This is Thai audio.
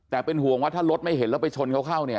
แต่เป็นห่วงว่าถ้ารถไม่เห็นแล้วไปชนเขาเข้าเนี่ย